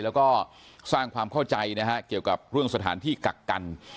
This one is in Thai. แล้วก็สร้างความเข้าใจนะฮะเกี่ยวกับเรื่องสถานที่กักกัน